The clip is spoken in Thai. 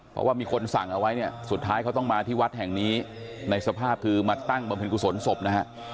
เพราะว่ามีคนสั่งเอาไว้เนี่ยสุดท้ายเขาต้องมาที่วัดแห่งนี้ในสภาพคือมาตั้งบำเพ็ญกุศลศพนะฮะ